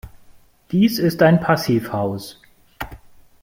Dies ist ein Passivhaus.